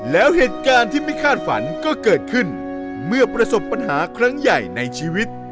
แล้วเหตุการณ์ที่ไม่คาดฝันก็เกิดขึ้นเมื่อประสบปัญหาครั้งใหญ่ในชีวิต